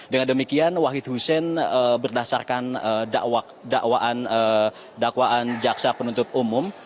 dengan demikian wahid hussein berdasarkan dakwaan jaksa penuntut umum